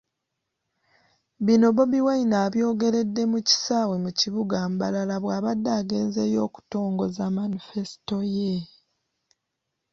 Bino Bobi Wine abyogeredde mu kisaawe mu kibuga Mbarara bw'abadde agenzeeyo okutongoza Manifesito ye.